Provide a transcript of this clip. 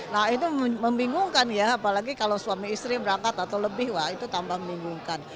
nah itu membingungkan ya apalagi kalau suami istri berangkat atau lebih wah itu tambah membingungkan